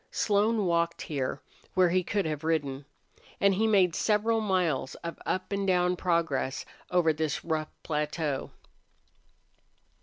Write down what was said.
Slone walked here, where he could have ridden. And he made several miles of up and down progress over this rough plateau.